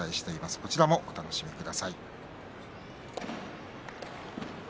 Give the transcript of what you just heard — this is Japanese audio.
こちらもお楽しみください。